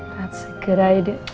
saat segera ya